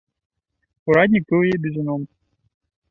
Ураднік біў яе бізуном.